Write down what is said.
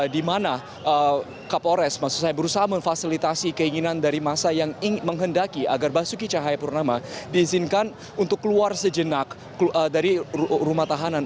di mana kapolres maksud saya berusaha memfasilitasi keinginan dari masa yang menghendaki agar basuki cahayapurnama diizinkan untuk keluar sejenak dari rumah tahanan